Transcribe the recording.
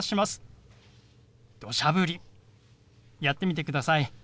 やってみてください。